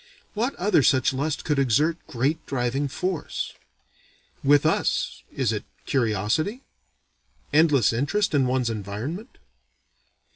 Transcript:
What other such lust could exert great driving force? With us is it curiosity? endless interest in one's environment?